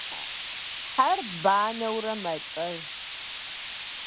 Хьэр банэурэ мэлӏэж.